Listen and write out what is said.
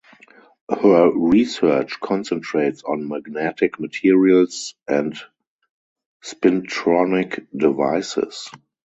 Her research concentrates on magnetic materials and spintronic devices.